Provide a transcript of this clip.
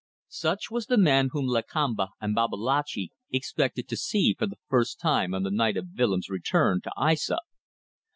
Such was the man whom Lakamba and Babalatchi expected to see for the first time on the night of Willems' return to Aissa.